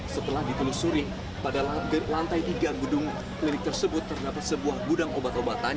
setelah ditelusuri pada lantai tiga gedung klinik tersebut terdapat sebuah gudang obat obatan